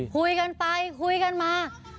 คุยกันไปคุยกันมา